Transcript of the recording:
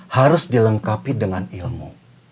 harus dilengkapi dengan ilmu